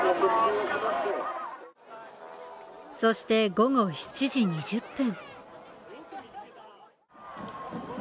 そして午後７時２０分。